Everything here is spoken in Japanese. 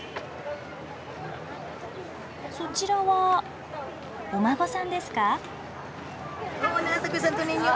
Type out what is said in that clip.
そちらはお孫さんですか？